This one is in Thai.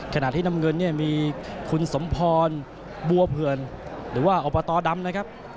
ขณะที่น้ำเงินเนี่ยมีคุณสมพรบัวเผื่อนหรือว่าอบตดำนะครับ